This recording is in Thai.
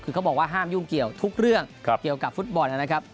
คือเขาบอกว่าห้ามยุ่งเกี่ยวทุกเรื่องเกี่ยวกับฟุตบอลนะครับ